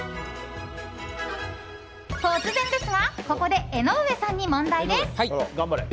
突然ですがここで江上さんに問題です。